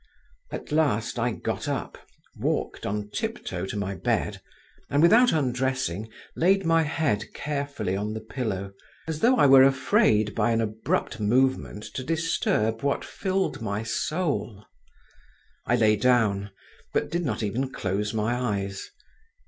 At last I got up, walked on tiptoe to my bed, and without undressing, laid my head carefully on the pillow, as though I were afraid by an abrupt movement to disturb what filled my soul…. I lay down, but did not even close my eyes.